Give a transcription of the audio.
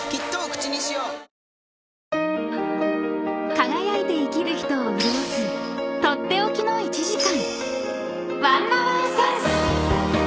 ［輝いて生きる人を潤す取って置きの１時間］